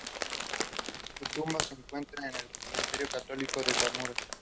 Su tumba se encuentra en el cementerio católico de Kamakura.